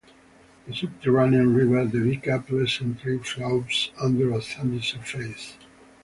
The subterranean river Devika presently flows under a sandy surface.